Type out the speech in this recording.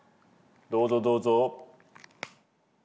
どうぞどうぞ。